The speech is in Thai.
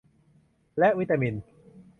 และวิตามิน